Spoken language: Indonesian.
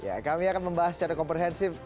ya kami akan membahas secara komprehensif